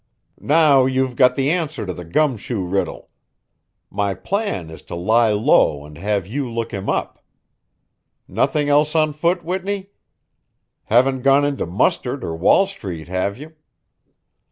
Now you've got the answer to the gumshoe riddle. My plan is to lie low and have you look him up. Nothing else on foot, Whitney? Haven't gone into mustard or Wall street, have you?"